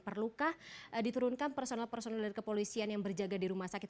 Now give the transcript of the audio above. perlukah diturunkan personel personil dari kepolisian yang berjaga di rumah sakit